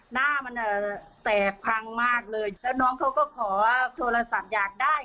หน้ามันแตกพังมากเลยแล้วน้องเขาก็ขอโทรศัพท์อยากได้